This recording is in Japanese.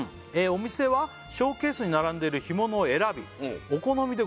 「お店はショーケースに並んでいるひものを選びお好みで」